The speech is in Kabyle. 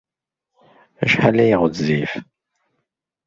Acḥal ay ɣezzif?